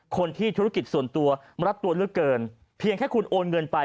ธุรกิจส่วนตัวรัดตัวเลือกเกินเพียงแค่คุณโอนเงินไป